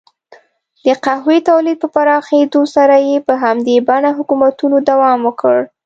د قهوې تولید په پراخېدو سره یې په همدې بڼه حکومتونو دوام وکړ.